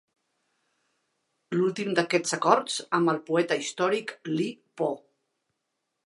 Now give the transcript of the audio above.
L'últim d'aquests acords amb el poeta històric Li Po.